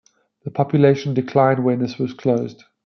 The population declined when this was closed.